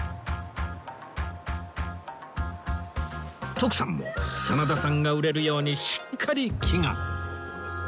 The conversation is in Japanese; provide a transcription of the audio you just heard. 徳さんも真田さんが売れるようにしっかり祈願！